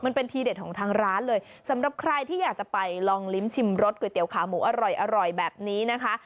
มันเป็นทีเด็ดของทางร้านเลยสำหรับใครที่อยากจะไปลองลิ้มชิมรสก๋วเตี๋ยขาหมูอร่อยแบบนี้นะคะ